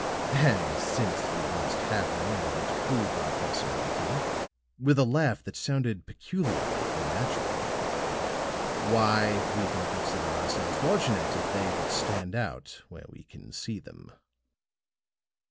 And since we must have them in order to prove our personality," with a laugh which sounded peculiarly unnatural, "why, we can consider ourselves fortunate if they but stand out where we can see them."